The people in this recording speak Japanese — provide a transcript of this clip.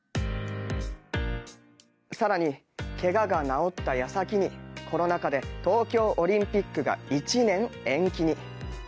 更に、けがが治った矢先にコロナ禍で東京オリンピックが１年延期に。